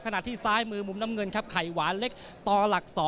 ที่ซ้ายมือมุมน้ำเงินครับไข่หวานเล็กต่อหลัก๒